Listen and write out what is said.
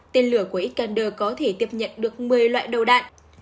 tên lửa của ecander có thể tiếp nhận được một mươi loại đầu đạn